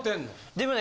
でもね